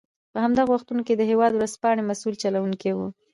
په همدغو وختونو کې د هېواد ورځپاڼې مسوول چلوونکی و.